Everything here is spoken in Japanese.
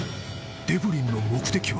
デブリンの目的は］